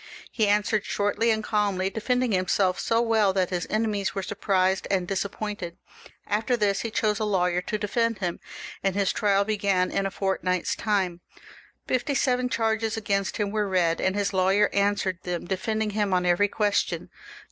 He answered shortly and calmly, defending himself so weU that his enemies were surprised and disappointed. After this he chose a lawyer 406 THE REVOLUTION. [CH. to defend him, and his trial began in a fortnight's time. Fifty seven charges against him were read, and his lawyer answered them, defending him on every question.